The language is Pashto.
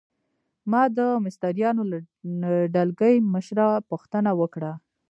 ما د مستریانو له ډلګۍ مشره پوښتنه وکړه.